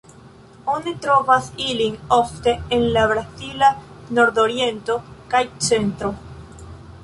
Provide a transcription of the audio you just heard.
Oni trovas ilin ofte en la brazila nordoriento kaj centro.